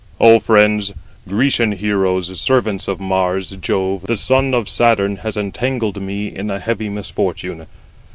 "O friends, Grecian heroes, servants of Mars, Jove, the son of Saturn, has entangled me in a heavy misfortune.